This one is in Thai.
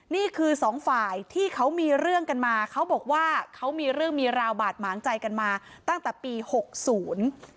นี่คือสองฝ่ายที่เขามีเรื่องกันมาเขาบอกว่าเขามีเรื่องมีราวบาดหมางใจกันมาตั้งแต่ปีหกศูนย์